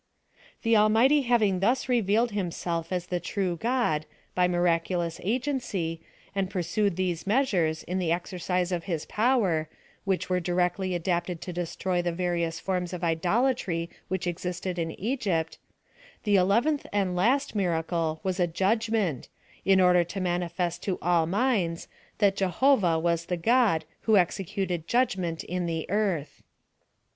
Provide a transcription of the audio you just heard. The Almighty having thus revealed himself aa the true God, by miraculous agency, and pursued those measures, in the exercise of his power, which were directly adapted to destroy the various forms of idolatry which existed in Egypt, the eleventh and last miracle was a judgment, in order to mani fest to all minds, that Jehovah was the God who executed judgment in the earth.